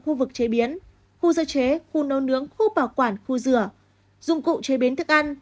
khu vực chế biến khu sơ chế khu nấu nướng khu bảo quản khu rửa dụng cụ chế biến thức ăn